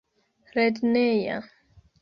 lerneja